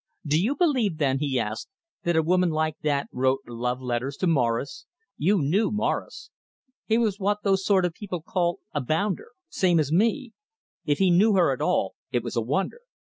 "Do you believe then," he asked, "that a woman like that wrote love letters to Morris? You knew Morris. He was what those sort of people call a bounder. Same as me! If he knew her at all it was a wonder.